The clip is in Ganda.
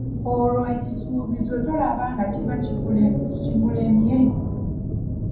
Olwo ekisuubizo tolaba nga kiba kimulemye?